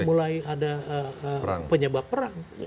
mulai ada penyebab perang